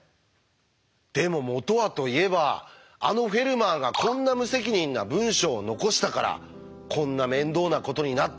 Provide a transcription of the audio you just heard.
でも元はといえばあのフェルマーがこんな無責任な文章を残したからこんな面倒なことになった！